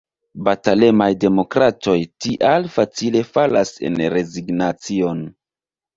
Batalemaj demokratoj tial facile falas en rezignacion.